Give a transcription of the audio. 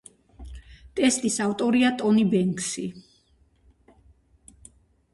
ტექსტის ავტორია ტონი ბენქსი.